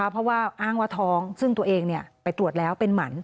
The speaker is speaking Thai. เพราะว่าอ้างว่าท้องซึ่งตัวเองไปตรวจแล้วเป็นหมัน